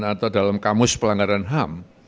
atau dalam kamus pelanggaran ham